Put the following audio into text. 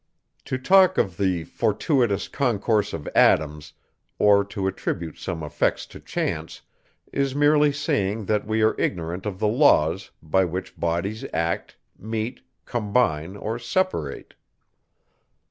To talk of the fortuitous concourse of atoms, or to attribute some effects to chance, is merely saying that we are ignorant of the laws, by which bodies act, meet, combine, or separate.